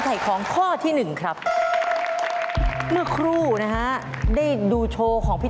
ให้เขามาแสดงความสามารถที่เราดูก่อนไง